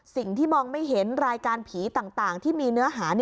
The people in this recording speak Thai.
สิ่งที่มองไม่เห็นรายการผีต่างที่มีเนื้อหา